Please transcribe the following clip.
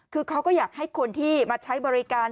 คือเขาก็อยากให้คนที่มาใช้บริการ